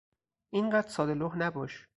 اینقدر ساده لوح نباش!